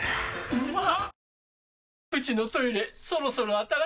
うまっ！